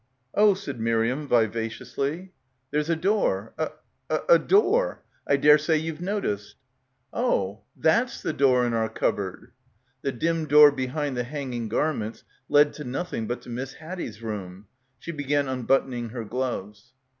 "Oh," said Miriam vivaciously. "There's a door, a — a — a door. I daresay you've noticed." "Oh! Thafs the door in our cupboard!" The dim door behind the hanging garments led to nothing but to Miss Haddie's room. She be gan unbuttoning her gloves.